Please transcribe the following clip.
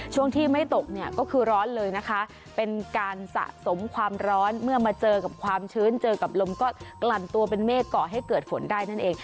ช่วงที่ไม่ตกเนี่ยก็คือร้อนเลยนะคะเป็นการสะสมความร้อนเมื่อมาเจอกับความชื้นเจอกับลมก็กลั่นตัวเป็นเมฆก่อให้เกิดฝนได้นั่นเอง